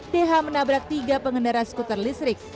th menabrak tiga pengendara skuter listrik